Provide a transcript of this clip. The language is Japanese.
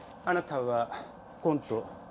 あなたはコント